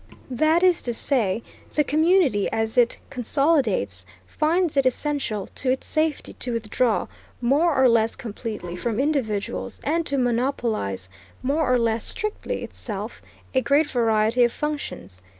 That is to say, the community, as it consolidates, finds it essential to its safety to withdraw, more or less completely, from individuals, and to monopolize, more or less strictly, itself, a great variety of functions.